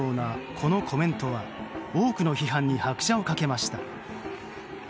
このコメントは多くの批判に拍車を掛けました。